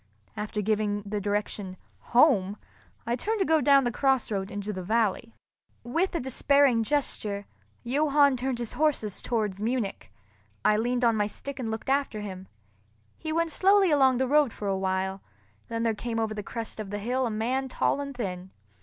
After giving the direction, "Home!" I turned to go down the cross road into the valley. With a despairing gesture, Johann turned his horses towards Munich. I leaned on my stick and looked after him. He went slowly along the road for a while, then there came over the crest of the hill a man tall and thin.